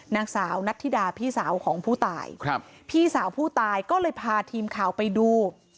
นางสาวนัทธิดาพี่สาวของผู้ตายครับพี่สาวผู้ตายก็เลยพาทีมข่าวไปดู